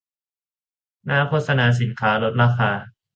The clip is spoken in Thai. หน้าโฆษณาสินค้าลดราคา